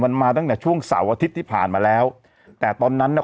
มันมาตั้งแต่ช่วงเสาร์อาทิตย์ที่ผ่านมาแล้วแต่ตอนนั้นน่ะ